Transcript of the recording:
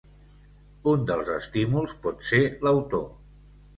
Un dels estímuls pot ser l’autor.